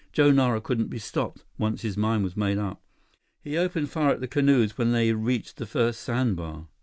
Joe Nara couldn't be stopped, once his mind was made up. He opened fire at the canoes when they reached the first sandbar.